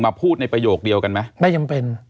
พูดในประโยคเดียวกันไหมไม่จำเป็น